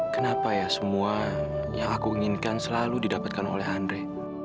kenapa ya semua yang aku inginkan selalu didapatkan oleh andre